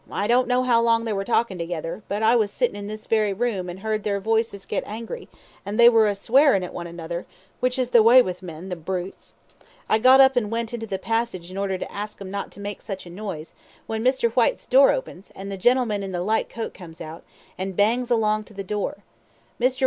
I don't know how long they were talkin' together; but I was sittin' in this very room and heard their voices git angry, and they were a swearin' at one another, which is the way with men, the brutes. I got up and went into the passage in order to ask 'em not to make such a noise, when Mr. Whyte's door opens, an' the gentleman in the light coat comes out, and bangs along to the door. Mr.